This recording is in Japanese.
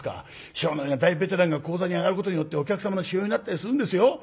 師匠のような大ベテランが高座に上がることによってお客様の指標になったりするんですよ。